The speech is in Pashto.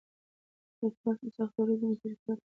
تر تاسو سختې ورځې مې تېرې کړي.